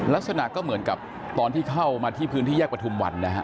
ลักษณะก็เหมือนกับตอนที่เข้ามาที่พื้นที่แยกประทุมวันนะฮะ